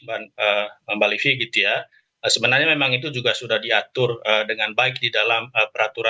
mbak livi gitu ya sebenarnya memang itu juga sudah diatur dengan baik di dalam peraturan